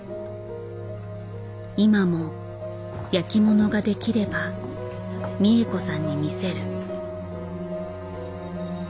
今も焼きものができれば三枝子さんに見せる。